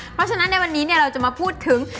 เพราะฉะนั้นในวันนี้เราจะมาพูดถึง